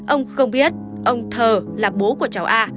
ông không biết ông thờ là bố của cháu a